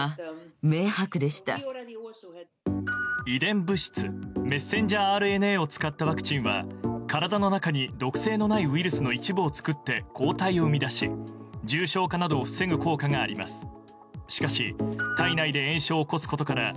遺伝物質メッセンジャーＲＮＡを使ったワクチンは体の中に毒性のないウイルスの一部を作って抗体を生み出し重症化などを防ぐ効果があります。